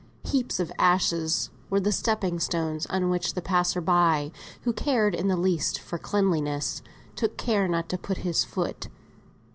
Heaps of ashes were the stepping stones, on which the passer by, who cared in the least for cleanliness, took care not to put his foot.